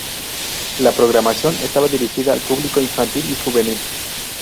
La programación estaba dirigida al público infantil y juvenil.